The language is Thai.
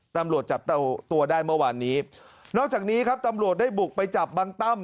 ตำรวจจับตัวได้เมื่อวานนี้นอกจากนี้ครับตำรวจได้บุกไปจับบังตั้ม